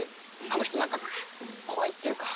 あの人なんか怖いっていうか。